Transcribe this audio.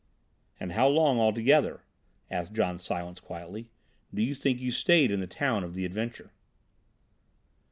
"And how long altogether," asked John Silence quietly, "do you think you stayed in the town of the adventure?"